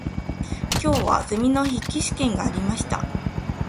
今日はゼミの筆記試験がありました。